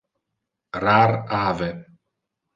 Rar ave.